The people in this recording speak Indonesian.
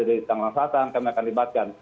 di tanggung jawab kami akan libatkan